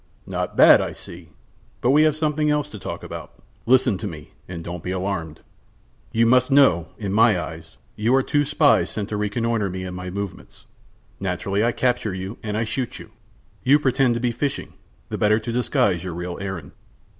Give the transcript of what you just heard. "Not bad, I see. But we have something else to talk about. Listen to me, and don't be alarmed: "You must know that, in my eyes, you are two spies sent to reconnoitre me and my movements. Naturally, I capture you and I shoot you. You pretended to be fishing, the better to disguise your real errand.